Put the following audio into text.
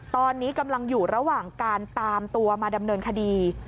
ตอนนี้กำลังอยู่ระหว่างการตามตัวมาดำเนินคดี